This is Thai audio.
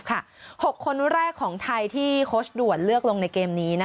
๖คนแรกของไทยที่โค้ชด่วนเลือกลงในเกมนี้